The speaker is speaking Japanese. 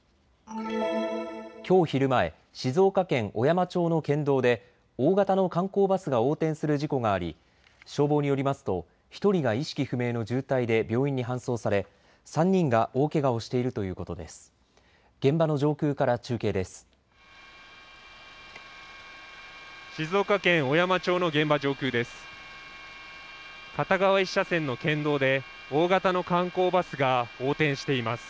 きょう昼前、静岡県小山町の県道で大型の観光バスが横転する事故があり消防によりますと１人が意識不明の重体で病院に搬送され３人が大けがをしているということです。